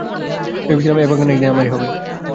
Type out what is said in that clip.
ভেবেছিলেম, এ বাগান একদিন আমারই হবে।